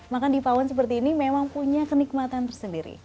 makan di pawon seperti ini memang punya kenikmatan tersendiri